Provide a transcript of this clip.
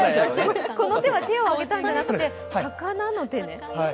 この手は手を挙げたんじゃなくて魚の手ね。